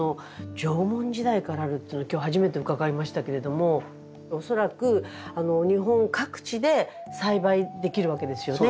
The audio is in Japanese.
縄文時代からあるっていうのは今日初めて伺いましたけれども恐らく日本各地で栽培できるわけですよね。